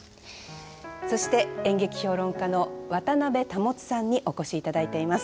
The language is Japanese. そして演劇評論家の渡辺保さんにお越しいただいています。